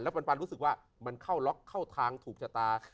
ปันรู้สึกว่ามันเข้าล็อกเข้าทางถูกชะตา